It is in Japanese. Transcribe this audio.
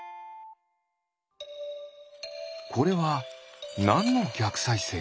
これはなんのぎゃくさいせい？